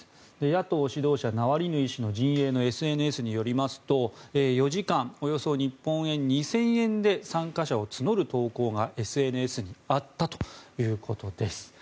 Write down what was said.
野党指導者のナワリヌイ氏陣営のＳＮＳによりますと４時間およそ日本円２０００円で参加者を募る投稿がＳＮＳにあったということです。